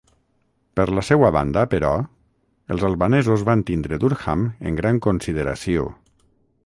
Per la seua banda, però, els albanesos van tindre Durham en gran consideració.